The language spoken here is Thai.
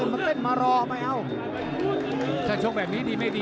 นี่คือยอดมวยแท้รักที่ตรงนี้ครับ